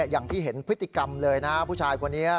อย่างที่เห็นพฤติกรรมเลยนะผู้ชายคนนี้